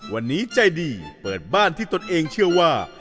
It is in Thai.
วันนี้ใจดีเปิดบ้านที่ตนเองเชื่อว่า